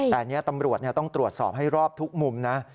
แต่อันนี้ตำรวจต้องตรวจสอบให้รอบทุกมุมนะ